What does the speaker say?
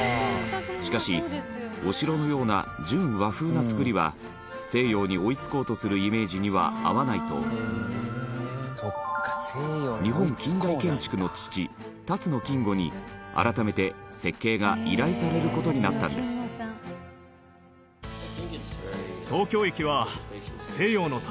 しかしお城のような純和風な造りは西洋に追い付こうとするイメージには合わないと日本近代建築の父、辰野金吾に改めて、設計が依頼される事になったんです本仮屋：確かに！